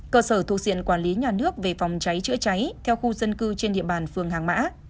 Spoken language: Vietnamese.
cơ sở thuộc diện quản lý nhà nước về phòng cháy chữa cháy theo khu dân cư trên địa bàn phường hàng mã